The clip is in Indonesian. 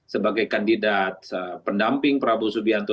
sebagai kandidat pendamping prabowo subianto